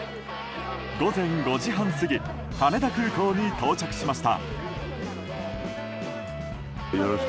午前５時半過ぎ羽田空港に到着しました。